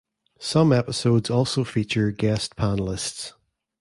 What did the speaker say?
Some episodes also feature guest panelists.